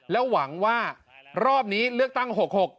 แล้วหวังว่ารอบนี้เลือกตั้ง๖๖